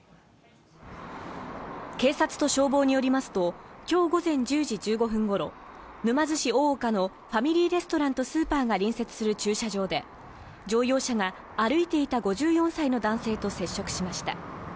警察と消防によりますと今日午前１０時１５分ごろ沼津市大岡のファミリーレストランとスーパーが隣接する駐車場で乗用車が歩いていた５４歳の男性と接触しました。